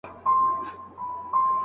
نوي تجربې انسان ته ډېر څه ور زده کوي.